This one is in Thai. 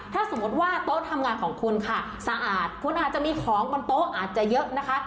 ถ้าสมมุติว่าโต๊ะทำงานของคุณค่ะสะอาดคุณอาจจะมีของบนโต๊ะอาจจะเยอะนะคะ